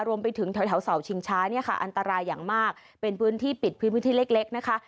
รวมไปถึงแถวเสาชิงช้าเนี่ยค่ะอันตรายอย่างมากเป็นพื้นที่ปิดพื้นที่เล็กเล็กนะคะ